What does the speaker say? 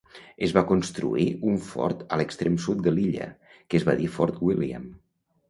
Es va construir un fort a l'extrem sud de l'illa, que es va dir Fort William.